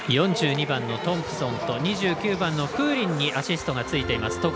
４２番のトンプソンと２９番のプーリンにアシストがついています。